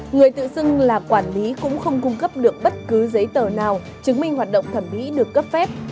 người tự xưng là quản lý cũng không cung cấp được bất cứ giấy tờ nào chứng minh hoạt động thẩm mỹ được cấp phép